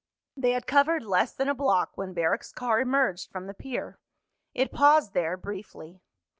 They had covered less than a block when Barrack's car emerged from the pier. It paused there briefly.